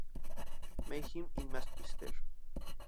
Mayhem in Manchester